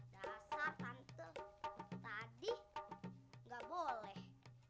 dasar tante tadi nggak boleh